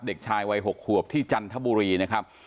เด็กชายวัย๖ขวบที่จันทบุรีนะครับ